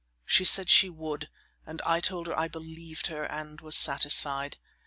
She said she would, and I told her I believed her and was satisfied.